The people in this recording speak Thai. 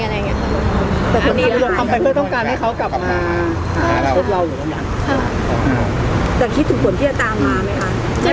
แต่คุณคิดถึงผลที่จะตามมาไหมคะ